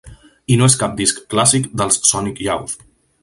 I no és cap disc clàssic dels Sonic Youth.